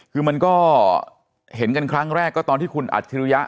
คือมันก็เห็นกันครั้งแรกก็ตอนที่คุณอัจฉริยะ